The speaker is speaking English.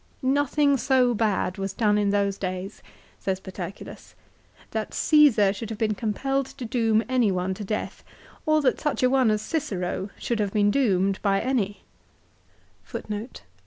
" Nothing so bad was done in those days !" says Paterculus. " That Csesar should have been compelled to doom any one to death or that such a one as Cicero should have been doomed by any."